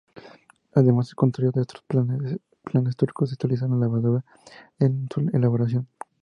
Además, al contrario de otros panes planos turcos, se utiliza levadura en su elaboración.